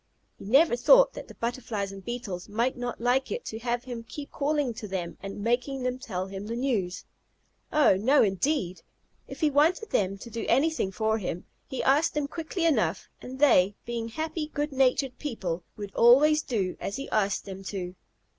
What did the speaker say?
He never thought that the Butterflies and Beetles might not like it to have him keep calling them to him and making them tell him the news. Oh, no indeed! If he wanted them to do anything for him, he asked them quickly enough, and they, being happy, good natured people, would always do as he asked them to.